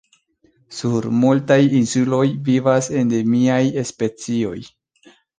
Sur multaj insuloj vivas endemiaj specioj.